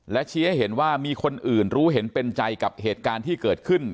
และชี้ให้เห็นว่ามีคนอื่นรู้เห็นเป็นใจกับเหตุการณ์ที่เกิดขึ้น